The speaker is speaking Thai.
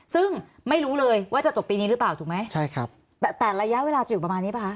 ซึ่งไม่รู้เลยว่าจะจบปีนี้หรือเปล่าถูกไหมใช่ครับแต่แต่ระยะเวลาจะอยู่ประมาณนี้ป่ะค